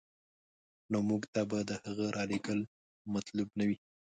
نو موږ ته به د هغه رالېږل مطلوب نه وي.